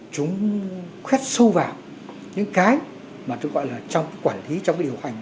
chúng khuét sâu vào những cái mà chúng gọi là trong cái quản lý trong cái điều hành